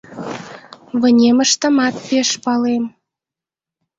Вынемыштымат пеш палем.